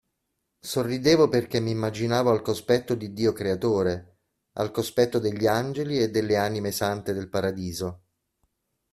Sorridevo perché m'immaginavo al cospetto di Dio Creatore, al cospetto degli Angeli e delle anime sante del Paradiso.